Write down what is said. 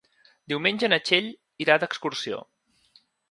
Diumenge na Txell irà d'excursió.